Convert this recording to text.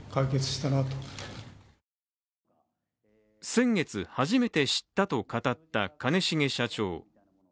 先月初めて知ったと語った兼重社長。